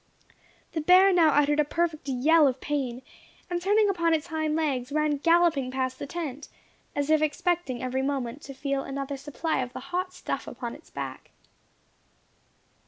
The bear now uttered a perfect yell of pain, and turning upon its hind legs, ran galloping past the tent, as if expecting every moment to feel another supply of the hot stuff upon its back.